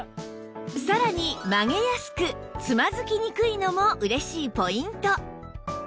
さらに曲げやすくつまずきにくいのも嬉しいポイント